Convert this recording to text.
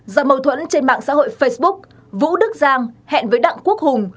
do mâu thuẫn trên mạng xã hội facebook vũ đức giang hẹn với đặng quốc hùng